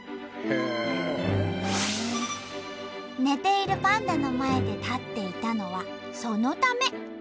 寝ているパンダの前で立っていたのはそのため。